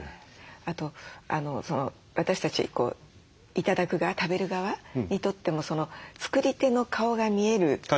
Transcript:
あと私たち頂く側食べる側にとっても作り手の顔が見えるもの。